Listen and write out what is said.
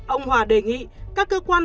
ông hòa đề nghị các cơ quan